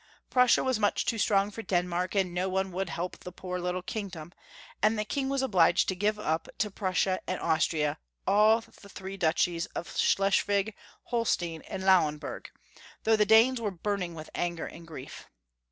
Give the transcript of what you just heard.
Prussia was much too strong for Denmark, and no one would help the poor little kingdom, and the King was obliged to give up to Prussia and Austria all the thi*ee duchies of Schles 466 Young FolW History of Q ermany, mg, Ilokteiii and Lauenburg, though the Danes were burning with anger and grief.